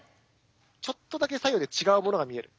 ちょっとだけ左右で違うものが見える。